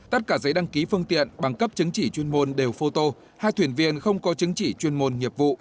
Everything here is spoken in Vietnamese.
tất cả giấy đăng ký phương tiện bằng cấp chứng chỉ chuyên môn đều photo hai thuyền viên không có chứng chỉ chuyên môn nghiệp vụ